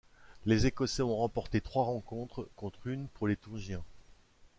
Les Écossais ont remporté trois rencontres contre une pour les Tongiens.